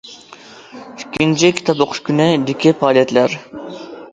ئىككىنچى،« كىتاب ئوقۇش كۈنى» دىكى پائالىيەتلەر.